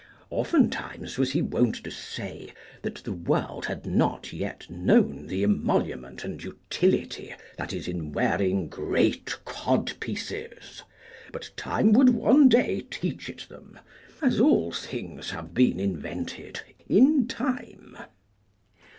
Oftentimes was he wont to say, that the world had not yet known the emolument and utility that is in wearing great codpieces; but time would one day teach it them, as all things have been invented in time.